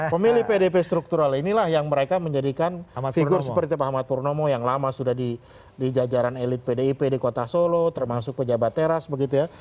pemilih pdp struktural inilah yang mereka menjadikan figur seperti pak ahmad purnomo yang lama sudah di jajaran elit pdip di kota solo termasuk pejabat teras begitu ya